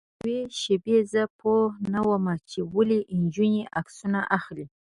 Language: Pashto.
تر یوې شېبې زه پوی نه وم چې ولې نجونې عکسونه اخلي.